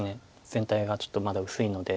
全体がちょっとまだ薄いので。